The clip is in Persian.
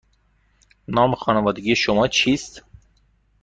نام خانوادگی شما چیست؟